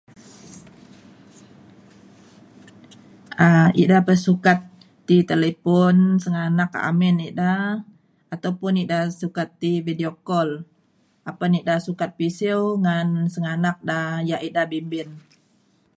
um Ida pe sukat ti telipun senganak ke amin eda, ataupun eda sukat ti videocall apan eda sukat pisiau ngan senganak da ya' eda bimbin.